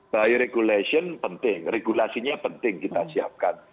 baik regulasi penting regulasinya penting kita siapkan